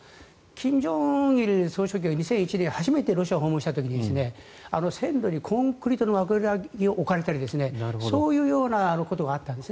金正日総書記が初めてロシアを訪問した時に線路にコンクリートが置かれたりそういうことがあったんです。